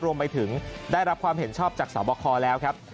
รวมไปถึงได้รับความเห็นชอบจากสบคแล้วครับ